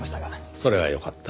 それはよかった。